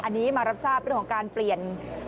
อันนี้มารับทราบเรื่องของการเปลี่ยน